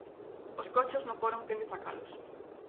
Os cochos non foron quen de sacalos.